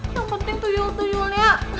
yang penting tuyul tuyulnya